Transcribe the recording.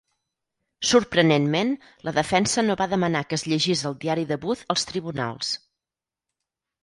Sorprenentment, la defensa no va demanar que es llegís el diari de Booth als tribunals.